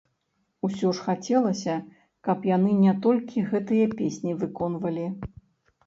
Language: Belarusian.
Усё ж хацелася, каб яны не толькі гэтыя песні выконвалі.